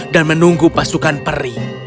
dan menunggu pasukan peri